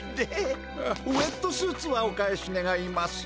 あっウエットスーツはお返しねがいます。